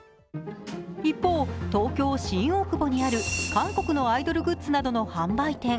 一方、東京・新大久保にある韓国のアイドルグッズなどの販売店。